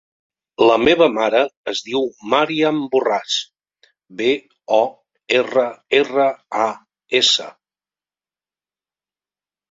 La meva mare es diu Màriam Borras: be, o, erra, erra, a, essa.